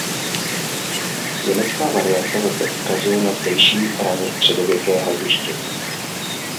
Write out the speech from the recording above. Německá varianta zase odkazuje na zdejší raně středověké hradiště.